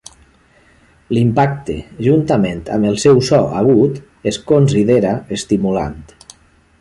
L'impacte, juntament amb el seu so agut, es considera estimulant.